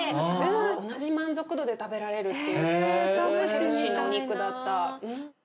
同じ満足度で食べられるっていうすごくヘルシーなお肉だった。